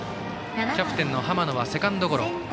キャプテン、濱野はセカンドゴロ。